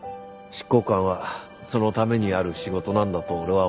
執行官はそのためにある仕事なんだと俺は思う。